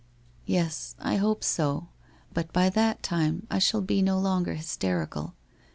' Yes, I hope bo, but by that time I shall be no longer terical.